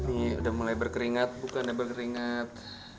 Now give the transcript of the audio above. ini udah mulai berkeringat bukan udah berkeringat